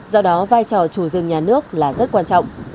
do đó vai trò chủ rừng nhà nước là rất quan trọng